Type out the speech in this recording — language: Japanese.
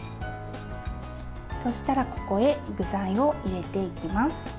そうしたらここへ具材を入れていきます。